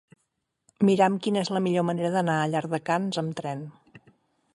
Mira'm quina és la millor manera d'anar a Llardecans amb tren.